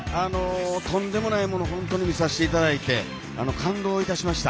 とんでもないものを本当に見させていただいて感動いたしました。